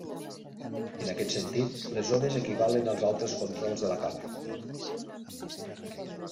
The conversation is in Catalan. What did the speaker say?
En aquest sentit, les zones equivalen als altres controls de la càmera.